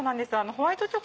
ホワイトチョコ